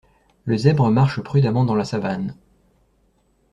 Le zèbre marche prudemment dans la savane.